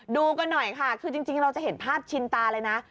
ดูกันหน่อยค่ะคือจริงเราจะเห็นภาพชินตาเลยนะ